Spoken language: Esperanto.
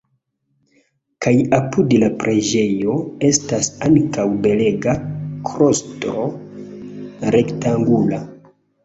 Kaj apud la preĝejo estas ankaŭ belega klostro rektangula.